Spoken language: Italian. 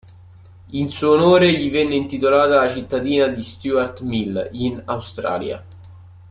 In suo onore, gli venne intitolata la cittadina di Stuart Mill, in Australia.